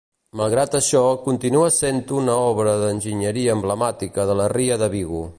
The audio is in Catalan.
Malgrat això continua sent una obra d'enginyeria emblemàtica de la ria de Vigo.